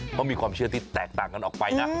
เขามีความเชื่อที่แตกต่างกันออกไปนะ